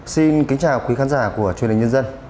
xin kính chào quý khán giả của truyền hình nhân dân